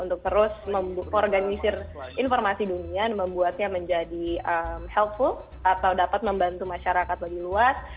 untuk terus mengorganisir informasi dunia dan membuatnya menjadi healthful atau dapat membantu masyarakat lebih luas